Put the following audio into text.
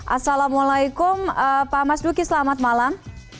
assalamualaikum pak mas duki selamat malam